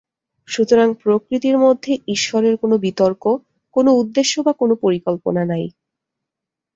সুতরাং প্রকৃতির মধ্যে ঈশ্বরের কোন বিতর্ক, কোন উদ্দেশ্য বা কোন পরিকল্পনা নাই।